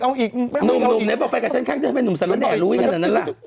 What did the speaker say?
นุ่มเดี๋ยวไปกับฉันข้างก็จะเป็นนุ่มสระแด่รู้อย่างนั้นแล้ว